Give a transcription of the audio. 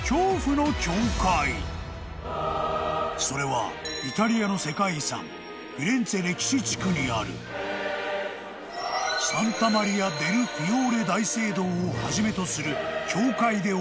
［それはイタリアの世界遺産フィレンツェ歴史地区にあるサンタ・マリア・デル・フィオーレ大聖堂をはじめとする教会で起きた］